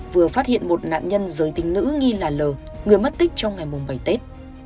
vừa phát hiện một nạn nhân giới tính nữ nghi là l người mất tích trong ngày bảy tết